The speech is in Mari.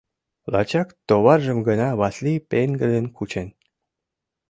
Лачак товаржым гына Васлий пеҥгыдын кучен...